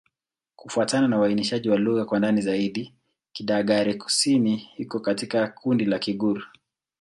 Kufuatana na uainishaji wa lugha kwa ndani zaidi, Kidagaare-Kusini iko katika kundi la Kigur.